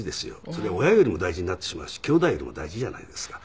そりゃ親よりも大事になってしまうし兄弟よりも大事じゃないですか。